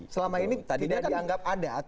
selama ini tidak dianggap ada